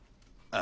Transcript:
あ。